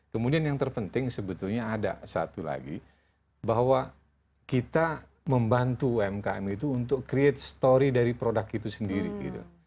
kemudian yang terpenting sebetulnya ada satu lagi bahwa kita membantu umkm itu untuk create story dari produk itu sendiri gitu